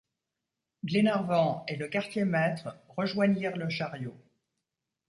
Glenarvan et le quartier-maître rejoignirent le chariot.